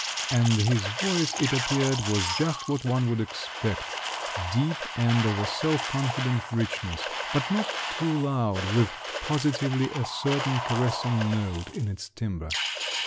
And his voice, it appeared, was just what one would expect; deep, and of a self confident richness, but not too loud, with positively a certain caressing note in its timbre.